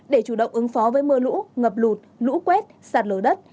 để chủ động ứng phó với mưa lũ ngập lụt lũ quét sạt lở đất